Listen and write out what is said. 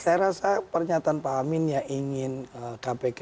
saya rasa pernyataan pak amin yang ingin kpk